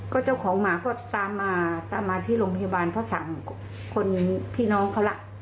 ก็เจ้าของหมาก็ตามมาตามมาที่โรงพยาบาลเพราะสั่งคนพี่น้องเขาล่ะ